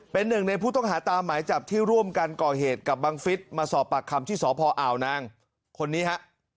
เป็นหนึ่งในผู้ต้องหาตามหมายจับที่ร่วมกันก่อเหตุกับบังฟิศมาสอบปากคำที่สพอ่าวนางคนนี้ฮะ